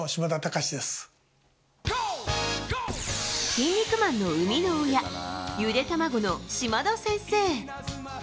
「キン肉マン」の生みの親ゆでたまごの嶋田先生。